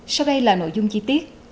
sau đây là nội dung chi tiết